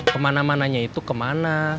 kemana mananya itu kemana